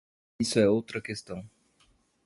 Isso é outra questão.